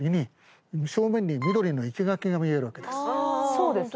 そうですね。